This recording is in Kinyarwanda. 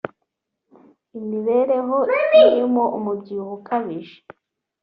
imibereho irimo umubyibuho ukabije